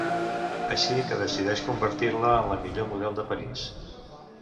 Així que decideix convertir-la en la millor model de París.